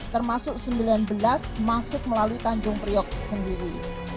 termasuk sembilan belas masuk melalui tanjung priok sendiri